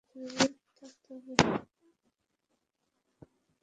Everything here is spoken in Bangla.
তোমাকে শুধু ম্যাট্রিক্সের ছায়া মাড়ানো থেকে বিরত থাকতে হবে।